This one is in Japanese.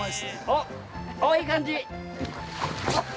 ◆おっ、いい感じ。